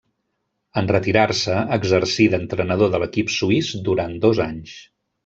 En retirar-se exercí d'entrenador de l'equip suís durant dos anys.